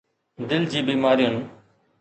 دل جي بيمارين